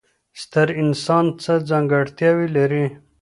ستر انسان څه ځانګړتیاوې لري؟